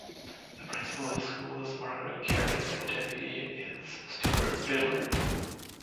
The principal of the school is Margaret Carey, and deputy is Stewart Vidler.